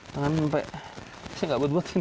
tangan sampai saya tidak buat buatin